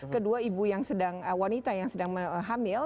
kedua ibu yang sedang wanita yang sedang hamil